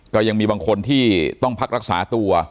ก็ยังมีบางคนที่ต้องพักรักษาตัว